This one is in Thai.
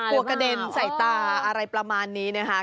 กระเด็นใส่ตาอะไรประมาณนี้นะคะ